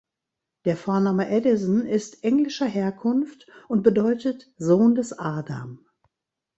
Der Vorname Addison ist englischer Herkunft und bedeutet „Sohn des Adam“.